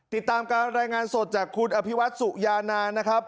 ติดตามการรายงานสดจากคุณอภิวัตสุยานานนะครับ